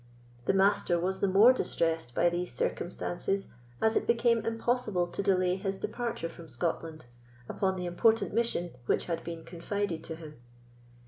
The Master was the more distressed by these circumstances, as it became impossible to delay his departure from Scotland, upon the important mission which had been confided to him.